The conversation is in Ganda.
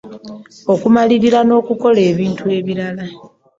Okumalirira n'okola ebintu ebirala.